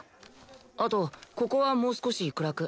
あとここはもう少し暗く。